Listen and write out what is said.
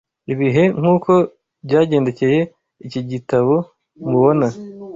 ibihe nk’uko byagendekeye iki gitabo mubona